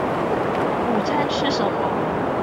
午餐吃什麼